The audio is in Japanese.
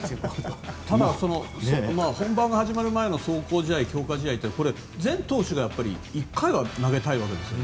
ただ、本番が始まる前の壮行試合、強化試合ってこれ、全投手が１回は投げたいわけですよね。